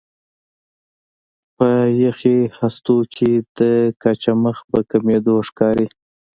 په یخي هستو کې د کچه مخ په کمېدو ښکاري.